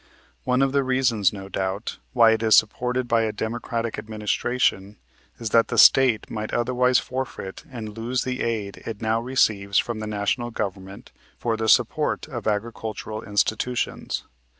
One of the reasons, no doubt, why it is supported by a Democratic administration, is that the State might otherwise forfeit and lose the aid it now receives from the National Government for the support of agricultural institutions.